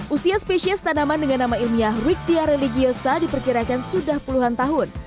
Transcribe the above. usia spesies tanaman dengan nama ilmiah ruktia religiosa diperkirakan sudah puluhan tahun